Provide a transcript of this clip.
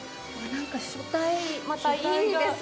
書体またいいですね。